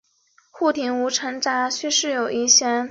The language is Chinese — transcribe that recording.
丰宁寺的历史年代为清代。